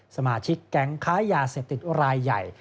สมาชิกแก๊งค้ายาเสพติดรายใหญ่